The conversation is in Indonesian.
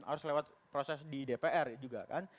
harus lewat proses di dpr juga kan